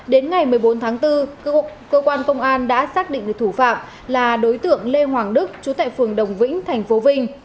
đến ngày một mươi bốn tháng bốn cơ quan công an đã xác định được thủ phạm là đối tượng lê hoàng đức chú tại phường đồng vĩnh tp vinh